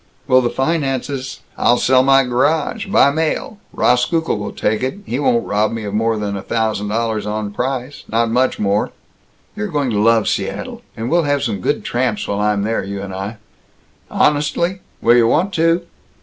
"Will the finances " "I'll sell my garage, by mail. Rauskukle will take it. He won't rob me of more than a thousand dollars on price not much more." "You're going to love Seattle. And we'll have some good tramps while I'm there, you and I." "Honestly? Will you want to?"